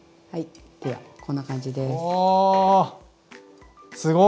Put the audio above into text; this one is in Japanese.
はいではこんな感じです。